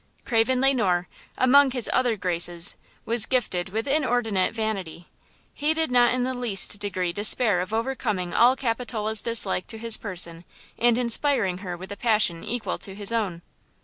Craven Le Noir, among his other graces, was gifted with inordinate vanity. He did not in the least degree despair of over coming all Capitola's dislike to his person and inspiring her with a passion equal to his own.